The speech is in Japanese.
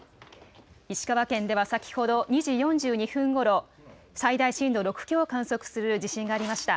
石川県では先ほど２時４２分ごろ最大震度６強を観測する地震がありました。